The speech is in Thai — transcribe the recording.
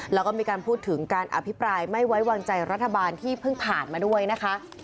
แล้วก็มีการพูดถึงการอภิปรายไม่ไว้วางใจรัฐบาลที่เพิ่งผ่านมาด้วยนะคะ